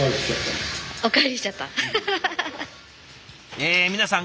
え皆さん